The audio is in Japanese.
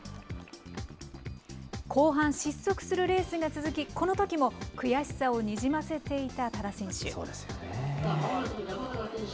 後半、失速するレースが続き、このときも悔しさをにじませていた多田選手。